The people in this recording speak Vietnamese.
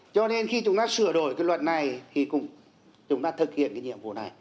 cho nên khi chúng ta sửa đổi cái luật này thì chúng ta thực hiện cái nhiệm vụ này